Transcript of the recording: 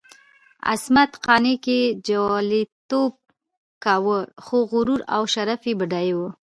عصمت قانع که جواليتوب کاوه، خو غرور او شرف یې بډای وو.